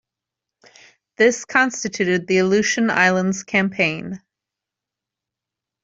This constituted the Aleutian Islands campaign.